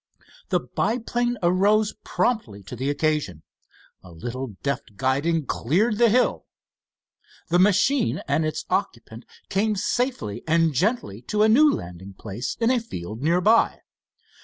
The biplane arose promptly to the occasion. A little deft guiding cleared the hill. The machine and its occupant came safely and gently to a new landing place in a field nearby.